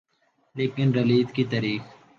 لیکن ریلیز کی تاریخ